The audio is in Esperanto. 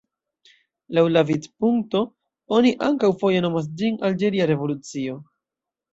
Laŭ la vidpunkto, oni ankaŭ foje nomas ĝin "alĝeria revolucio".